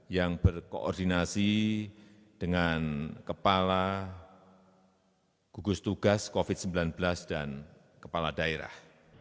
yang berkoordinasi dengan kepala gugus tugas covid sembilan belas dan kepala daerah